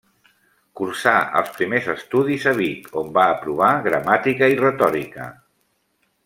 Cursà els primers estudis a Vic on va aprovar gramàtica i retòrica.